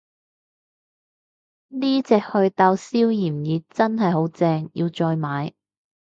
呢隻袪痘消炎液真係好正，要再買